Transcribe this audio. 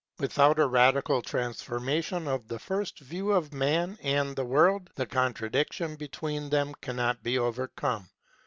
Without a radical transformation of the first view of man and the world the contradiction between them cannot be overcome.